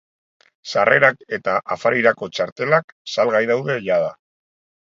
Sarrerak eta afarirako txartelak salgai daude jada.